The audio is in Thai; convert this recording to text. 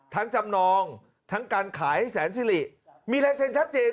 จำนองทั้งการขายแสนสิริมีลายเซ็นชัดเจน